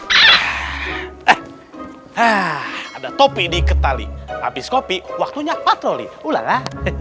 eh ada topi diketali habis kopi waktunya patroli ulala